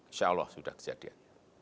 insyaallah sudah kejadian